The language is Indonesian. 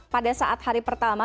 pada saat hari pertama